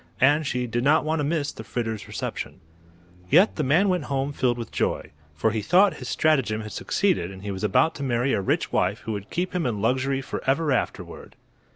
And she did not want to miss the Fritters' reception. Yet the man went home filled with joy; for he thought his stratagem had succeeded and he was about to marry a rich wife who would keep him in luxury forever afterward.